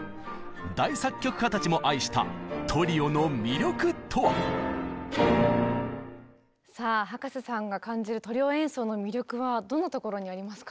大作曲家たちも愛したさあ葉加瀬さんが感じるトリオ演奏の魅力はどんなところにありますか？